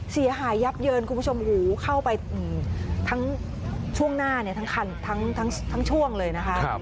เสียหายับเยินคุณผู้ชมหูเข้าไปทั้งช่วงหน้าทั้งช่วงเลยนะคะ